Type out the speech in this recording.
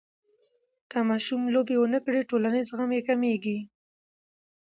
که ماشوم لوبې ونه کړي، ټولنیز زغم یې کمېږي.